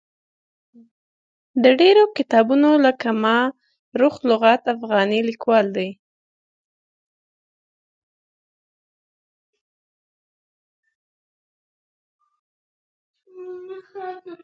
د ډېرو کتابونو لکه ما رخ لغات افغاني لیکوال دی.